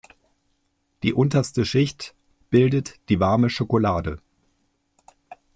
Die unterste Schicht bildet die warme Schokolade.